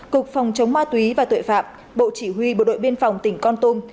cục phòng chống ma túy và tội phạm bộ chỉ huy bộ đội biên phòng tỉnh con tum